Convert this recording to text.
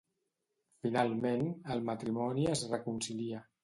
Finalment el matrimoni es reconcilia.